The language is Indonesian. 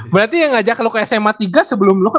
berarti yang ngajak lu ke sma tiga sebelum lu kan